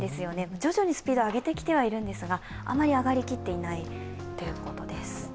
徐々にスピード、上げてきてはいるんですが、あまり上がりきってはいないです。